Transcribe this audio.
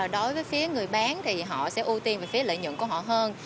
đối với phía người bán thì họ sẽ ưu tiên về phía lợi nhuận của họ hơn